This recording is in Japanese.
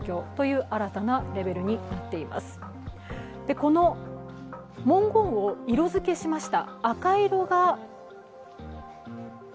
この文言を色づけしました。